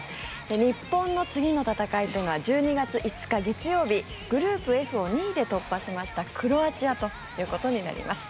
日本の次の戦いというのは１２月５日、月曜日グループＦを２位で突破しましたクロアチアということになります。